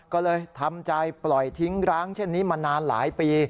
ก็เลยทำใจปล่อยทิ้งร้างเช่นนี้มานานหลายปี